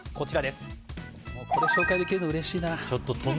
これ紹介できるのうれしいな。